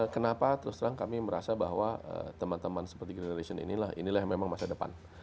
kenapa terus terang kami merasa bahwa teman teman seperti generation inilah inilah yang memang masa depan